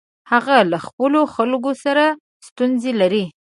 هغه له خپلو خلکو سره ستونزې لري.